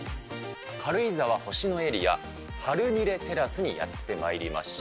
軽井沢星野エリアハルニレテラスにやってまいりました。